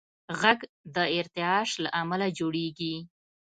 غږ د ارتعاش له امله جوړېږي.